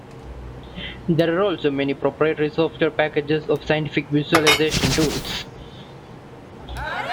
There are also many proprietary software packages of scientific visualization tools.